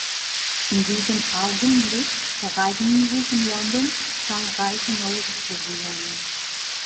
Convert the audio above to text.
In diesem Augenblick ereignen sich in London zahlreiche neue Explosionen.